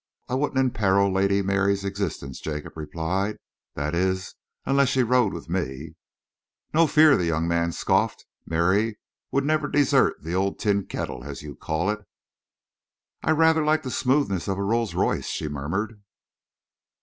"I wouldn't imperil Lady Mary's existence," Jacob replied, "that is, unless she rode with me." "No fear," the young man scoffed. "Mary would never desert the old tin kettle, as you call it." "I rather like the smoothness of a Rolls Royce," she murmured.